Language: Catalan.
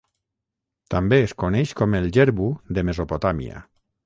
També es coneix com el jerbu de Mesopotàmia.